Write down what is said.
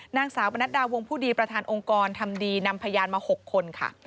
นางสาวปนัดดาวงผู้ดีประธานองค์กรทำดีนำพยานมา๖คนค่ะ